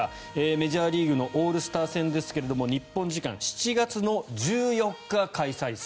メジャーリーグのオールスター戦ですけど日本時間７月１４日開催。